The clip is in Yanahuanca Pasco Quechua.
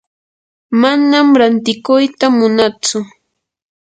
manam rantikuyta munatsu.